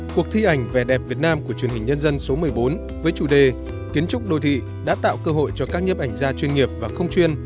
cuộc thi ảnh vẻ đẹp việt nam của truyền hình nhân dân số một mươi bốn với chủ đề kiến trúc đô thị đã tạo cơ hội cho các nhiếp ảnh gia chuyên nghiệp và không chuyên